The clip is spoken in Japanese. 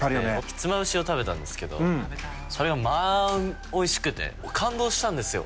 ひつまぶしを食べたんですけどそれがまぁおいしくて感動したんですよ。